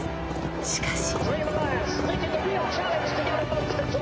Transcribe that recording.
しかし。